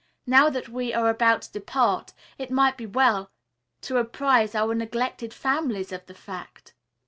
Now that we are about to depart, it might be well to apprise our neglected families of the fact."